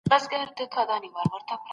زرین انځور د ادب پوهنې په برخه کي مشهور دئ.